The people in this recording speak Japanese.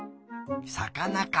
さかなか。